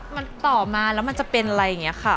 มันต่อมาแล้วมันจะเป็นอะไรอย่างนี้ค่ะ